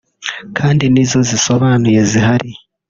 kandi n’izo zisobanuye zihari